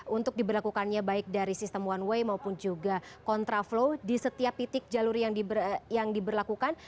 untuk diberlakukannya baik dari sistem one way maupun juga kontraflow di setiap titik jalur yang diberlakukan